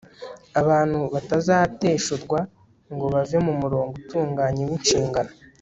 abantu batazateshurwa ngo bave mu murongo utunganye winshingano